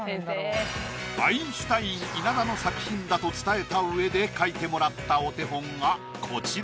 アインシュタイン稲田の作品だと伝えたうえで描いてもらったお手本がこちら。